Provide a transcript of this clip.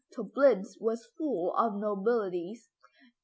Töplitz was full of notabilities.